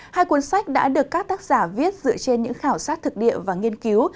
hai cuốn sách đã được các tác giả viết dựa trên những khảo sát thực địa và nghiên cứu